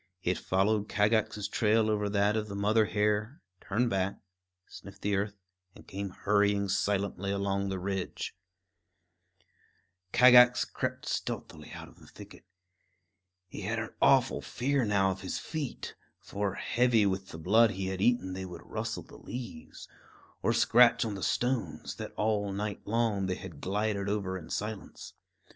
It followed Kagax's trail over that of the mother hare, turned back, sniffed the earth, and came hurrying silently along the ridge. [Illustration: Kookooskoos] Kagax crept stealthily out of the thicket. He had an awful fear now of his feet; for, heavy with the blood he had eaten, they would rustle the leaves, or scratch on the stones, that all night long they had glided over in silence.